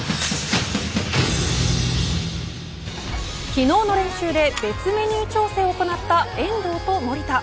昨日の練習で別メニュー調整を行った遠藤と守田。